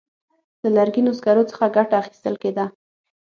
له لرګینو سکرو څخه ګټه اخیستل کېده.